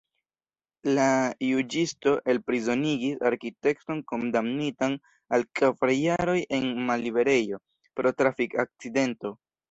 La juĝisto elprizonigis arkitekton kondamnitan al kvar jaroj en malliberejo pro trafik-akcidento.